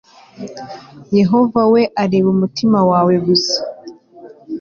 yehova we areba umutima wawe gusa